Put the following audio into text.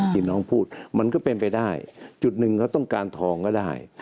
ที่น้องพูดมันก็เป็นไปได้จุดหนึ่งเขาต้องการทองก็ได้